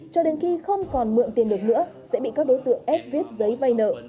cho đến khi không còn mượn tiền được nữa sẽ bị các đối tượng ép viết giấy vay nợ